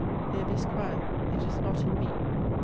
The abyss crieth; it is not in me!